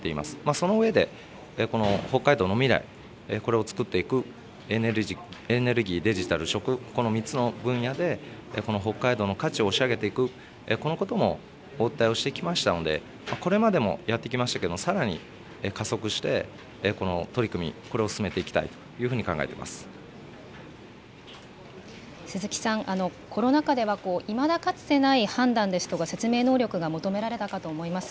その上で北海道の未来、これを作っていくエネルギー、デジタル、食、この３つの分野で、この北海道の価値を押し上げていく、このこともお訴えをしてきましたので、これまでもやってきましたけれども、さらに加速してこの取り組み、これを進めていきたいと鈴木さん、コロナ禍では、いまだかつてない判断ですとか、説明能力が求められたかと思います。